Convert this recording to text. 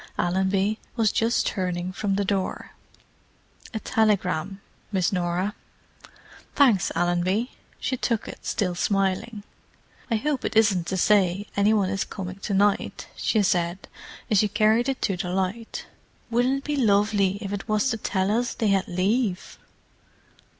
Allenby was just turning from the door. "A telegram, Miss Norah." "Thanks, Allenby." She took it, still smiling. "I hope it isn't to say any one is coming to night," she said, as she carried it to the light. "Wouldn't it be lovely if it was to tell us they had leave!"